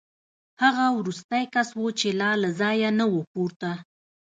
هغه وروستی کس و چې لا له ځایه نه و پورته